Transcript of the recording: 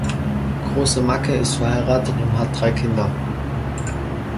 Große Macke ist verheiratet und hat drei Kinder.